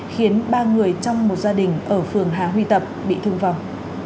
khiến ba người trong một gia đình ở phường hà huy tập bị thương vong